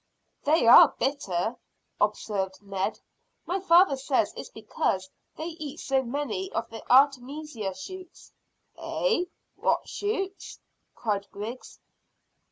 "They are bitter," observed Ned. "My father says it's because they eat so many of the artemisia shoots." "Eh? What shoots?" cried Griggs.